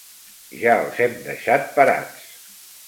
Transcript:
Ja els hem deixat parats.